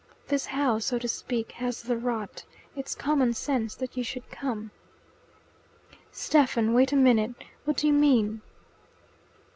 This house, so to speak, has the rot. It's common sense that you should come." "Stephen, wait a minute. What do you mean?"